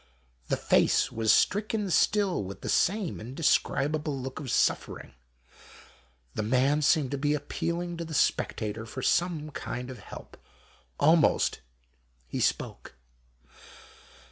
The face was stricken still with the same indescribable look of suffering. The man seemed to be appealing to the 10 THE MAN WITH THE ROLLEB. spectator for some kind of help. Almost, he spoke.